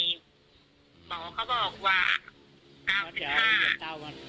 หมอเขาบอกว่า๙๕มะเร็ง